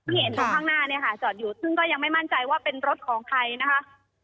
เห็นอยู่ข้างหน้าเนี่ยค่ะจอดอยู่ซึ่งก็ยังไม่มั่นใจว่าเป็นรถของใครนะคะ